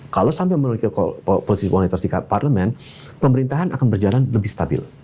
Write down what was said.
kalau sampai memiliki posisi monitor sikap parlemen pemerintahan akan berjalan lebih stabil